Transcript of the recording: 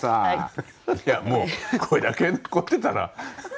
いやもうこれだけ残ってたら。